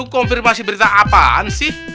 konfirmasi berita apaan sih